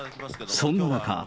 そんな中。